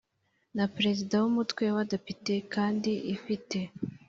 Na perezida w umutwe w abadepite kandi ifite